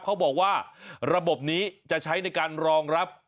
เขาบอกว่าระบบนี้จะใช้ในการรองรับ